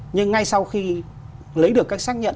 nhưng ngay sau khi lấy được cách xác nhận